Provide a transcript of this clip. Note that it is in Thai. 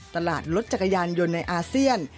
รถจักรยานยนต์ในอาเซียน